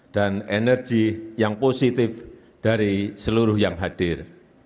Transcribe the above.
dan energi yang positif dari seluruh yang hadir